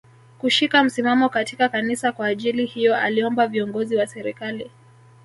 Kushika msimamo katika Kanisa Kwa ajili hiyo aliomba viongozi wa serikali